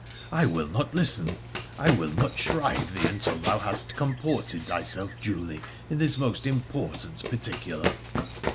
I will not listen — I will not shrive thee until thou hast comported thyself duly in this must important particular